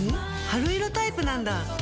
春色タイプなんだ。